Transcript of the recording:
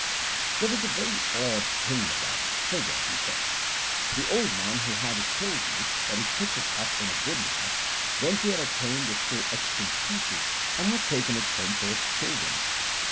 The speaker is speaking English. There was a very odd thing about that figure, he said. 'The old man who had it told me that he picked it up in a woodyard, whence he had obtained the still extant pieces, and had taken it home for his children.